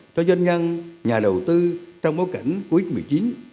cho dân nhân nhà đầu tư trong bối cảnh cuối một mươi chín